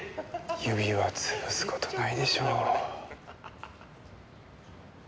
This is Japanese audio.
指輪潰す事ないでしょ。